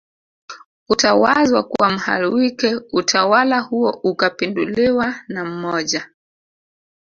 kutawazwa kwa Mhalwike utawala huo ukapinduliwa na mmoja